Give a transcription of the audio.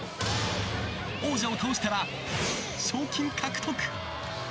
王者を倒したら賞金獲得。